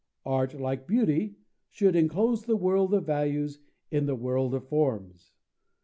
Art, like beauty, should "enclose the world of values in the world of forms."